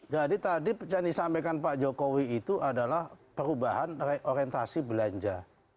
jadi tadi yang disampaikan pak jokowi itu adalah perubahan orientasi belanja